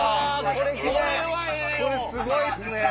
これすごいっすね！